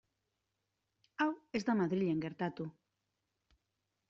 Hau ez da Madrilen gertatu.